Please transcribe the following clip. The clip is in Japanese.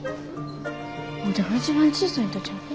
ワテが一番小さいんとちゃうか？